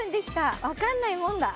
わかんないもんだ。